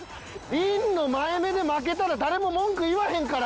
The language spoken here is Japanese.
インの前めで負けたら誰も文句言わへんから。